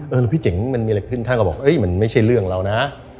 หรือพี่เจ๋งมันมีอะไรขึ้นท่านก็บอกมันไม่ใช่เรื่องเรานะ